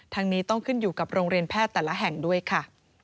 นี้ต้องขึ้นอยู่กับโรงเรียนแพทย์แต่ละแห่งด้วยค่ะ